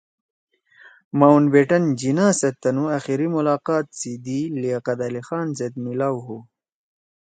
ماؤنٹ بیٹن جناح سیت تنُو آخری ملاقات سی دی لیاقت علی خان سیت میِلاؤ ہُو۔